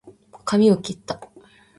かみをきった